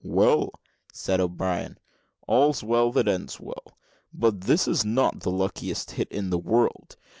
"Well," said O'Brien, "all's well that ends well; but this is not the luckiest hit in the world.